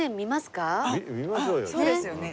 そうですよね。